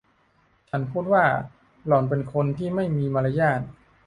ฉันพูดว่า หล่อนเป็นคนที่ไม่มีมารยาท